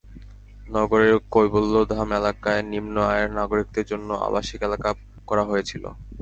নগরের কৈবল্যধাম এলাকায় নিম্ন আয়ের নাগরিকদের জন্য আবাসিক এলাকা করা হয়েছিল।